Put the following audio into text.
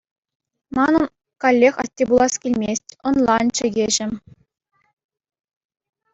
Манӑн халех атте пулас килмест, ӑнлан, чӗкеҫӗм.